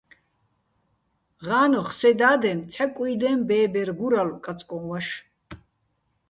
ღა́ნოხ სე და́დენ ცჰ̦ა კუ́ჲდეჼ ბე́ბერ გურალო̆ კაწკო́ჼ ვაშ.